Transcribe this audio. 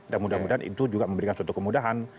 dan mudah mudahan itu juga memberikan suatu kemudahan